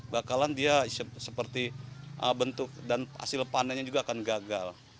bakalan dia seperti bentuk dan hasil panennya juga akan gagal